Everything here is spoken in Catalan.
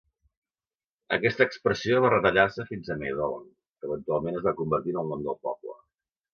Aquesta expressió va retallar-se fins a Maydolong, que eventualment es va convertir en el nom del poble.